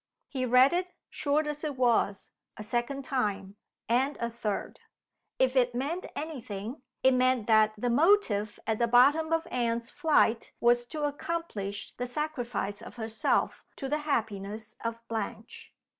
He read it, short as it was, a second time, and a third. If it meant any thing, it meant that the motive at the bottom of Anne's flight was to accomplish the sacrifice of herself to the happiness of Blanche.